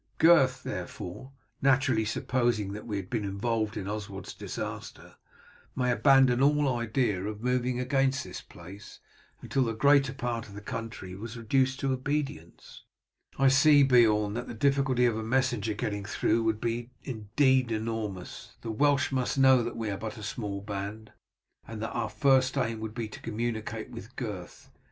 Gurth, therefore, naturally supposing that we had been involved in Oswald's disaster, may abandon all idea of moving against this place until the greater part of the country was reduced to obedience." "I see, Beorn, that the difficulty of a messenger getting through would be indeed enormous; the Welsh must know that we are but a small band, and that our first aim would be to communicate with Gurth.